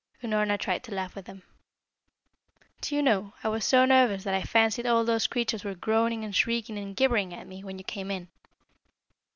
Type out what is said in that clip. Unorna tried to laugh with him. "Do you know, I was so nervous that I fancied all those creatures were groaning and shrieking and gibbering at me, when you came in."